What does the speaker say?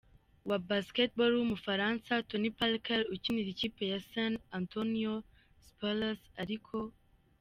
wa basketball wUmufaransa Tony Parker ukinira ikipe ya San Antonio Spurs ariko.